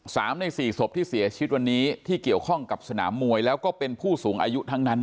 สามในสี่ศพที่เสียชีวิตวันนี้ที่เกี่ยวข้องกับสนามมวยแล้วก็เป็นผู้สูงอายุทั้งนั้น